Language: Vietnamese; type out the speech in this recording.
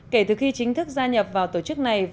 kể từ khi chính thức gia nhập vào tổ chức này